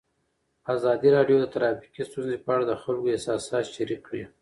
ازادي راډیو د ټرافیکي ستونزې په اړه د خلکو احساسات شریک کړي.